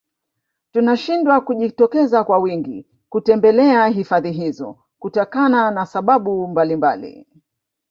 Tunashindwa kujitokeza kwa wingi kutembelea hifadhi hizo kutokana na sababu mbalimbali